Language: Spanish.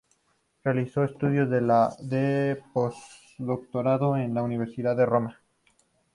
Realizó estudios de postdoctorado en la Universidad de Roma.